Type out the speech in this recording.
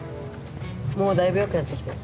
もうだいぶよくなってきたよ。